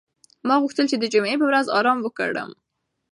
ما غوښتل چې د جمعې په ورځ ارام وکړم.